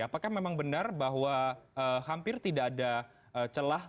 apakah memang benar bahwa hampir tidak ada celah